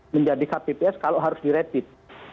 menjadi kpps kalau harus di rapid